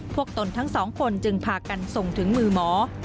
ตนทั้งสองคนจึงพากันส่งถึงมือหมอ